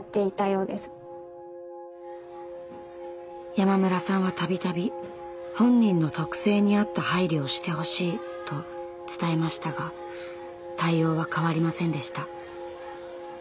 山村さんは度々本人の特性に合った配慮をしてほしいと伝えましたが対応は変わりませんでした。